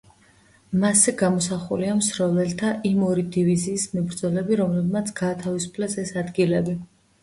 მასზე გამოსახულია მსროლელთა იმ ორი დივიზიის მებრძოლები, რომლებმაც გაათავისუფლეს ეს ადგილები.